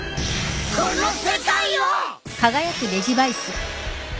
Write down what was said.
この世界を！